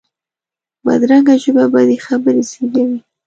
بدرنګه ژبه بدې خبرې زېږوي